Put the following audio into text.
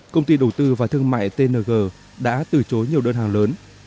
công ty đầu tư và thương mại tng đã từ chối nhiều đơn hàng lớn